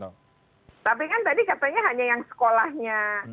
tapi kan tadi katanya hanya yang sekolahnya